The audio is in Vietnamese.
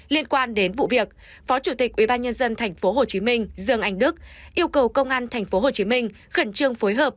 liên quan đến vụ việc phó chủ tịch ubnd tp hcm dương anh đức yêu cầu công an tp hcm khẩn trương phối hợp